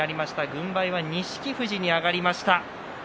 軍配は錦富士に上がりました。